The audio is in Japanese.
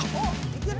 いける？